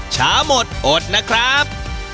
ช้าหมดอดนะครับ